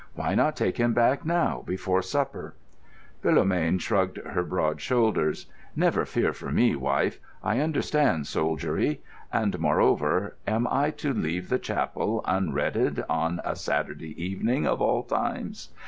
Why not take him back now before supper?" Philomène shrugged her broad shoulders. "Never fear for me, wife; I understand soldiery. And moreover, am I to leave the chapel unredded on a Saturday evening, of all times?"